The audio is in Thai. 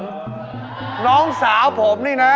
น้องสาวผมนี่นะ